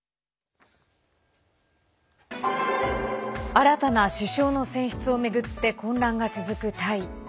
新たな首相の選出を巡って混乱が続くタイ。